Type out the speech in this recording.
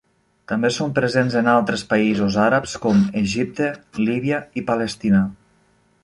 També són presents en altres països àrabs, com Egipte, Líbia i Palestina.